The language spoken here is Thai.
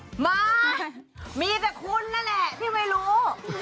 มามีแต่คุณนั่นแหละที่ไม่รู้